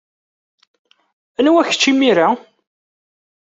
Anwa kečč, imir-a?